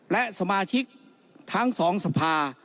และสมาชิกทั้งสองสภา